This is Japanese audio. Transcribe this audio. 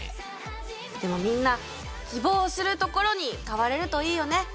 でもみんな希望するところに買われるといいよね。